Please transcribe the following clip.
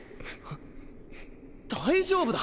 大丈夫だ。